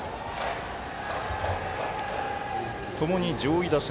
ともに上位打線。